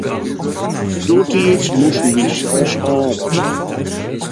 Doetiids moasten wy sels ôfwaskje.